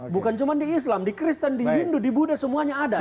bukan cuma di islam di kristen di hindu di buddha semuanya ada